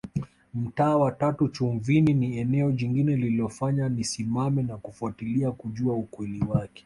Mtaa wa tatu Chumvini ni eneo jingine lililofanya nisimame na kufatilia kujua ukweli wake